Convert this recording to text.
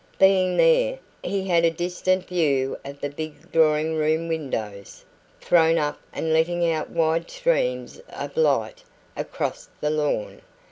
Being there, he had a distant view of the big drawing room windows, thrown up and letting out wide streams of light across the lawn.